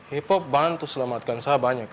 hip hop bantu selamatkan saya banyak